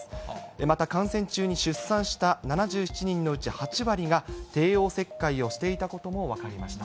また、感染中に出産した７７人のうち８割が帝王切開をしていたことも分かりました。